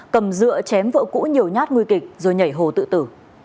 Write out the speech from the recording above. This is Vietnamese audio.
cầm dựa chém vợ cũ nhiều nhát nguy kịch rồi nhảy hồ tự tử